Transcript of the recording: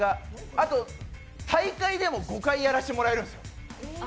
あと、大会でも５回やらせてもらえるんです。